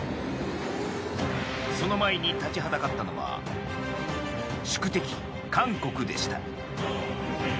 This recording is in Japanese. その前に立ちはだかったのは宿敵・韓国でした。